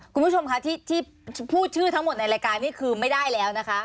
คุณผู้ชมคะที่พูดชื่อทั้งหมดในรายการนี้คือไม่ได้แล้วนะคะ